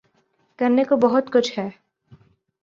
کرنے کو بہت کچھ ہے۔